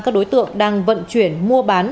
các đối tượng đang vận chuyển mua bán